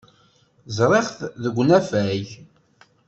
Ẓriɣ-t deg unafag.